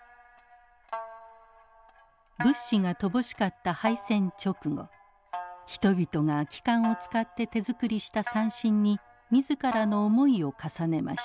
物資が乏しかった敗戦直後人々が空き缶を使って手作りした三線に自らの思いを重ねました。